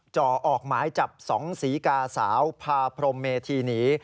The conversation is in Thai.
จ่อออกหมายจับ๒ศรีกาสาวพาพรมเมธีหนี